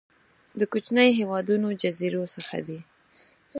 کوچنيو هېوادونو جزيرو څخه دي.